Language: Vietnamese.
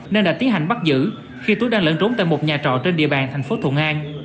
nên đã tiến hành bắt giữ khi tú đang lẫn trốn tại một nhà trọ trên địa bàn thành phố thuận an